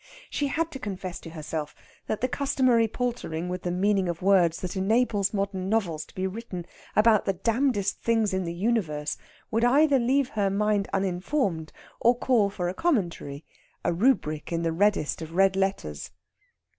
She had to confess to herself that the customary paltering with the meaning of words that enables modern novels to be written about the damnedest things in the universe would either leave her mind uninformed, or call for a commentary a rubric in the reddest of red letters.